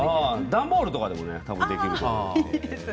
段ボールとかでも多分できると思う。